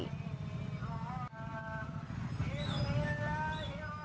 setelah di kawasan nagrek terjadi kemacetan panjang